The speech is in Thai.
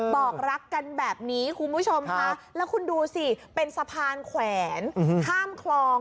บอกรักกันแบบนี้คุณผู้ชมค่ะแล้วคุณดูสิเป็นสะพานแขวนข้ามคลอง